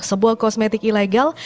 sebuah kosmetik ilegal